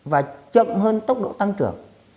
và chậm hơn tốc độ tăng trưởng